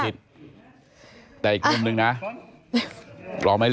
กินขออาหาร